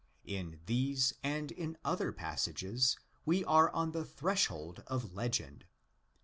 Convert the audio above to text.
In these and in other passages we are on the threshold of legend.